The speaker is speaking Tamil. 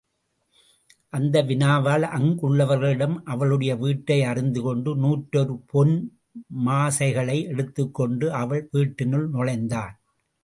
அந்த வினாவால் அங்குள்ளவர்களிடம் அவளுடைய வீட்டை அறிந்துகொண்டு நூற்றொரு பொன் மாசைகளை எடுத்துக்கொண்டு அவள் வீட்டினுள் நுழைந்தான்.